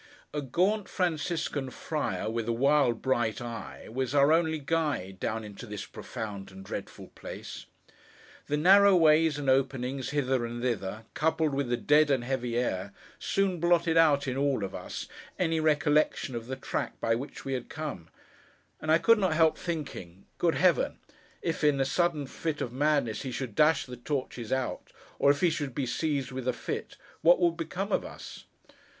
A gaunt Franciscan friar, with a wild bright eye, was our only guide, down into this profound and dreadful place. The narrow ways and openings hither and thither, coupled with the dead and heavy air, soon blotted out, in all of us, any recollection of the track by which we had come: and I could not help thinking 'Good Heaven, if, in a sudden fit of madness, he should dash the torches out, or if he should be seized with a fit, what would become of us!